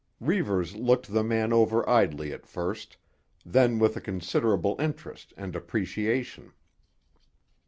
Reivers looked the man over idly at first, then with a considerable interest and appreciation.